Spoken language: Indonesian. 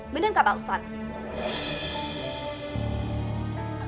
bener gak pak ustadz